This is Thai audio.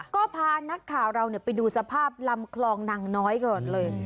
ก็พานักข่าวเราไปดูสภาพลำคลองนางน้อยก่อนเลย